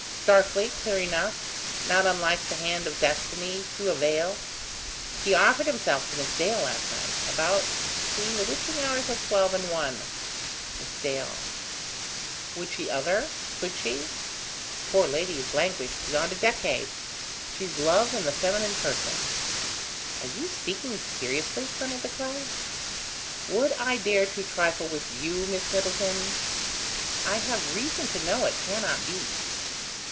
"Darkly: clear enough: not unlike the hand of destiny through a veil. He offered himself to Miss Dale last night, about between the witching hours of twelve and one." "Miss Dale ..." "Would she other? Could she? The poor lady has languished beyond a decade. She's love in the feminine person." "Are you speaking seriously, Colonel De Craye?" "Would I dare to trifle with you, Miss Middleton?" "I have reason to know it cannot be."